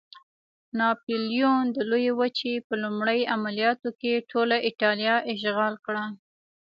ناپلیون د لویې وچې په لومړي عملیاتو کې ټوله اېټالیا اشغال کړه.